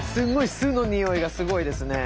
酢のにおいがすごいですね。